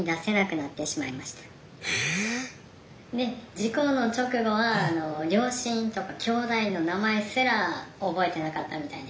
「事故の直後は両親とかきょうだいの名前すら覚えてなかったみたいです」。